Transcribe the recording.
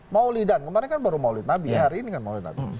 maulidan kemarin kan baru maulid nabi hari ini kan maulid nabi